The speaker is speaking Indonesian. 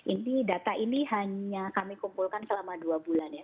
ini data ini hanya kami kumpulkan selama dua bulan ya